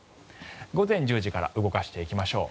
午前１０時から動かしていきましょう。